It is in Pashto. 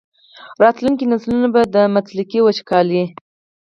راتلونکي نسلونه به د مطلقې وچکالۍ.